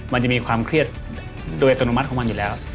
มันจะมีความเครียดโดยอัตโนมัติของมันอยู่แล้ว